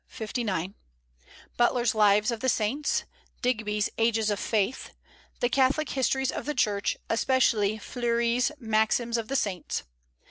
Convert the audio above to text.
59; Butler's Lives of the Saints; Digby's Ages of Faith; the Catholic Histories of the Church, especially Fleury's "Maxims of the Saints."